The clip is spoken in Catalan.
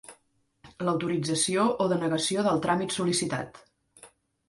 L'autorització o denegació del tràmit sol·licitat.